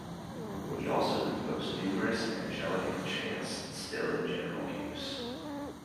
He also composed numerous Anglican chants still in general use.